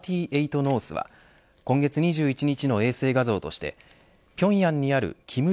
ノースは今月２１日の衛星画像として平壌にある金日